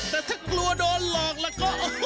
แต่ถ้ากลัวโดนหลอกแล้วก็